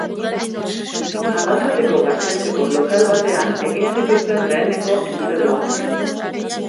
Arrasateko Gaztetxeko lokal batean egin zituzten lehenengo entseguak.